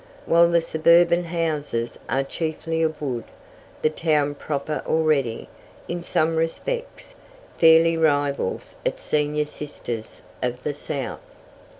While the suburban houses are chiefly of wood, the town proper already, in some respects, fairly rivals its senior sisters of the South.